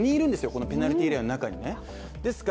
このペナルティーエリアの中にですね。